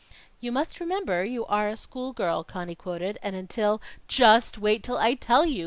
"You must remember you are a school girl," Conny quoted, "and until " "Just wait till I tell you!"